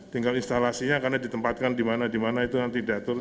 tinggal instalasinya karena ditempatkan di mana di mana itu nanti diatur